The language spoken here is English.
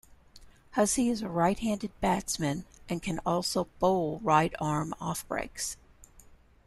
Hussey is a right-handed batsman and can also bowl right-arm offbreaks.